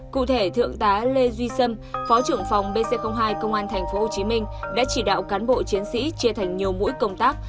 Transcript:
cụ thể thượng tá lê duy sâm phó trưởng phòng bc hai công an tp hcm đã chỉ đạo cán bộ chiến sĩ chia thành nhiều mũi công tác